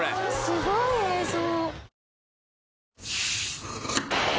すごい映像。